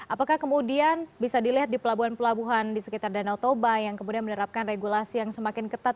apakah kemudian bisa dilihat di pelabuhan pelabuhan di sekitar danau toba yang kemudian menerapkan regulasi yang semakin ketat